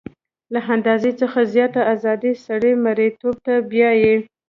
له اندازې څخه زیاته ازادي سړی مرییتوب ته بیايي.